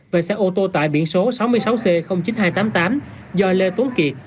về xe ô tô tải biển số sáu mươi sáu c chín nghìn hai trăm tám mươi tám do lê tuấn kiệt